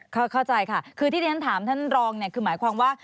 เข้าใจค่ะคือที่ที่ฉันถามท่านรองเนี่ยคือหมายความว่า